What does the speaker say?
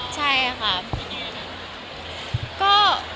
เชิญอย่างมากเด็ก